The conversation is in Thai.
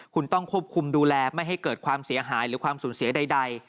คุณต้องควบคุมดูแลไม่ให้เกิดความเสียหายหรือความสูญเสียใด